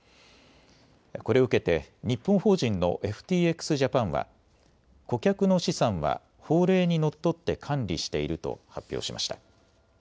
これを受けて日本法人のＦＴＸジャパンは顧客の資産は法令にのっとって管理していると発表しました。